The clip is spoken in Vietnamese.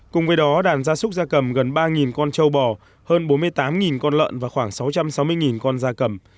cùng với đó đàn gia súc gia cầm gần ba con trâu bò hơn bốn mươi tám con lợn và khoảng sáu trăm sáu mươi con da cầm